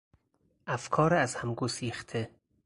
افکار ازهم گسیخته